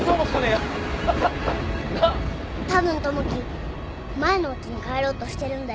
たぶん友樹前のおうちに帰ろうとしてるんだよ。